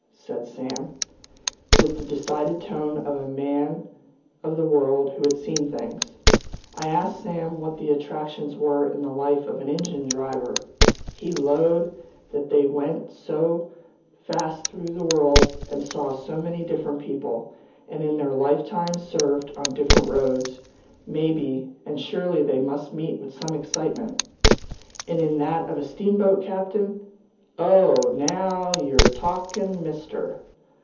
said Sam, with the decided tone of a man of the world, who had seen things. I asked Sam what the attractions were in the life of an engine driver. He "'lowed" they went so fast through the world, and saw so many different people; and in their lifetime served on different roads, maybe, and surely they must meet with some excitement. And in that of a steamboat captain? "Oh! now yew're talk'n', mister!